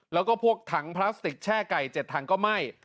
แล้วก็พวกถังพลาสติกแช่ไก่๗ถังก็ไหม้